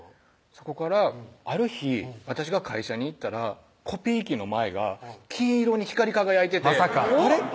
そこからある日私が会社に行ったらコピー機の前が金色に光り輝いててまさかあれ？